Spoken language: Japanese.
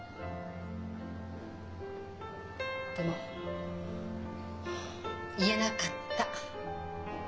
でも言えなかった。